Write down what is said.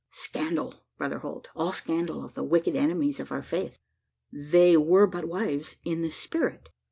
"Scandal, Brother Holt all scandal of the wicked enemies of our faith. They were but wives in the spirit.